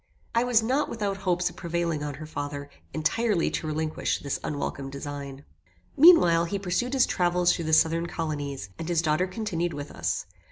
I was not without hopes of prevailing on her father entirely to relinquish this unwelcome design. Meanwhile, he pursued his travels through the southern colonies, and his daughter continued with us.